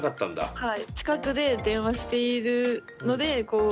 はい。